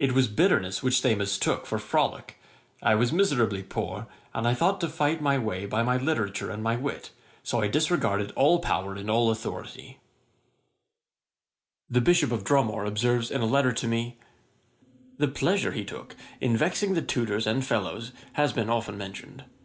It was bitterness which they mistook for frolick. I was miserably poor, and I thought to fight my way by my literature and my wit; so I disregarded all power and all authority.' [Page 74: Dr. Adams. A.D. 1730.] The Bishop of Dromore observes in a letter to me, 'The pleasure he took in vexing the tutors and fellows has been often mentioned.